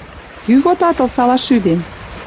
Кӱ вот атыл салаш шӱден?